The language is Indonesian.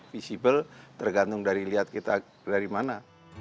visible tergantung dari lihat kita dari mana